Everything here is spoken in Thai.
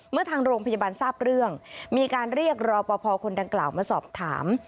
เมื่อทางโรงพยาบาลทราบเรื่องมีการเรียกรอปภคนดังกล่าวมาสอบถาม